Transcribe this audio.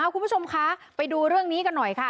คุณผู้ชมคะไปดูเรื่องนี้กันหน่อยค่ะ